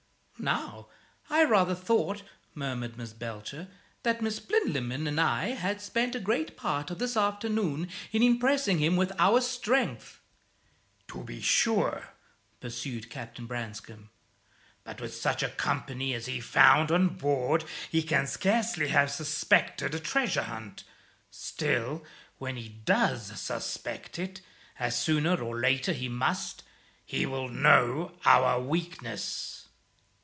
"Now, I rather thought," murmured Miss Belcher, "that Miss Plinlimmon and I had spent a great part of this afternoon in impressing him with our strength." "To be sure," pursued Captain Branscome, "with such a company as he found on board, he can scarcely have suspected a treasure hunt. Still, when he does suspect it as sooner or later he must he will know our weakness."